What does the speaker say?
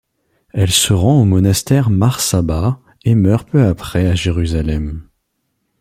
Elle se rend au monastère Mar Saba, et meurt peu après à Jérusalem.